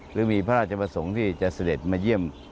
หรือมีพระราชประสงค์ที่จะเสด็จมาเยี่ยม